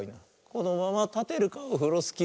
「このままたてるかオフロスキー」